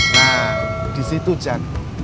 nah disitu jan